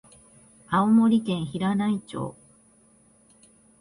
青森県平内町